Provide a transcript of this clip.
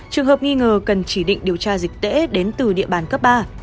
trường hợp nghi ngờ cần chỉ định điều tra dịch tễ đến từ địa bàn cấp ba